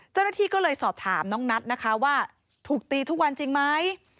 เจ้าหน้าที่ก็เลยสอบถามน้องนัทนะคะว่าถูกตีทุกวันจริงไหม